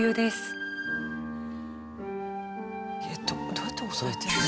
どうやって押さえてるんだろう。